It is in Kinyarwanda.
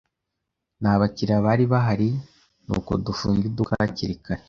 Nta bakiriya bari bahari, nuko dufunga iduka hakiri kare.